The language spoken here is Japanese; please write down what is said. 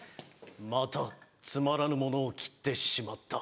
「またつまらぬものを斬ってしまった」。